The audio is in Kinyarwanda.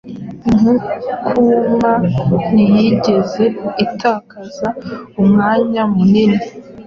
Inkukuma ntiyigeze itakaza umwanya munini